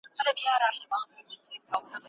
په کندهار کي امنیت دئ